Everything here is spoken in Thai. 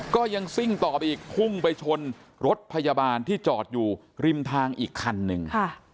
ก็ยังซิ่งต่อไปอีกพุ่งไปชนรถพยาบาลที่จอดอยู่ริมทางอีกคันหนึ่ง